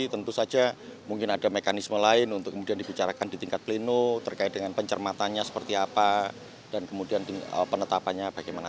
tentu saja mungkin ada mekanisme lain untuk kemudian dibicarakan di tingkat pleno terkait dengan pencermatannya seperti apa dan kemudian penetapannya bagaimana